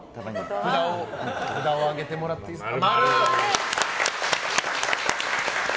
札を上げてもらっていいですか。